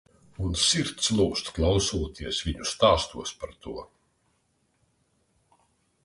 Un sirds lūzt klausoties viņu stāstos par to.